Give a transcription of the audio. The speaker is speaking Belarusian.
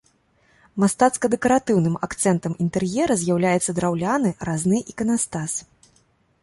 Мастацка-дэкаратыўным акцэнтам інтэр'ера з'яўляецца драўляны разны іканастас.